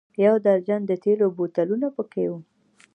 یو درجن د تېلو بوتلونه په کې و.